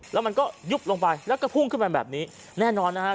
แล้วมันก็ยุบลงไปแล้วก็พุ่งขึ้นมาแบบนี้แน่นอนนะฮะ